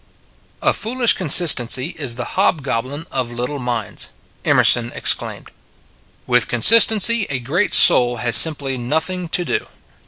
" A foolish consistency is the hobgoblin of little minds," Emerson exclaimed. " With consistency a great soul has simply nothing to do.